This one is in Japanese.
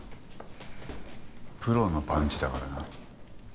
プロのパンチだからな。